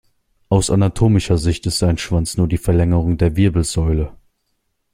Aus anatomischer Sicht ist ein Schwanz nur die Verlängerung der Wirbelsäule.